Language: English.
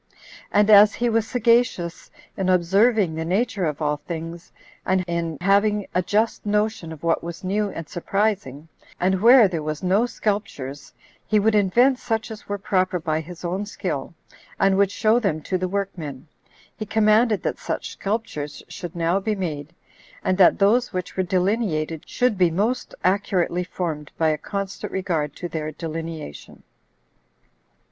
And as he was sagacious in observing the nature of all things, and in having a just notion of what was new and surprising, and where there was no sculptures, he would invent such as were proper by his own skill, and would show them to the workmen, he commanded that such sculptures should now be made, and that those which were delineated should be most accurately formed by a constant regard to their delineation.